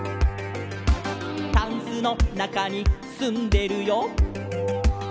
「タンスのなかにすんでるよ」